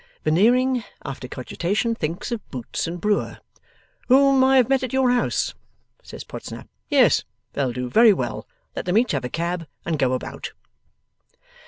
Veneering, after cogitation, thinks of Boots and Brewer. 'Whom I have met at your house,' says Podsnap. 'Yes. They'll do very well. Let them each have a cab, and go about.